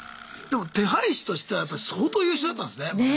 でも手配師としてはやっぱ相当優秀だったんですね。ね！